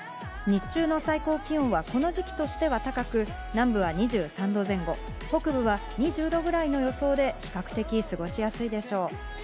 日中の最高気温はこの時期としては高く、南部は２３度前後、北部は２０度ぐらいの予想で、比較的、過ごしやすいでしょう。